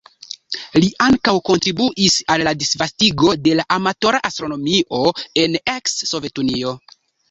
Li ankaŭ kontribuis al la disvastigo de la amatora astronomio en la eks-Sovetunio.